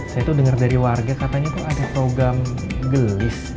saya tuh dengar dari warga katanya tuh ada program gelis